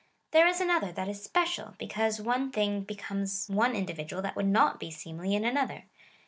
There is another, that is special, because one thing becomes one individual that would not be seemly in another.